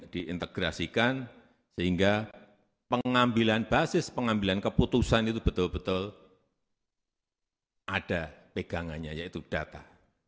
diintegrasikan sehingga pengambilan basis pengambilan keputusan itu betul betul ada pegangannya yaitu data